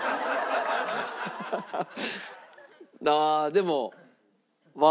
でも。